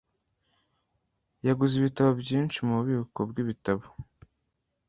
Yaguze ibitabo byinshi mububiko bwibitabo.